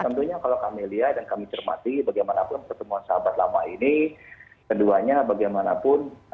tentunya kalau kami lihat dan kami cermati bagaimanapun pertemuan sahabat lama ini keduanya bagaimanapun